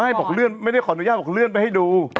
ไม่ไม่ได้ขออนุญาตบอกเลื่อนไปให้ดู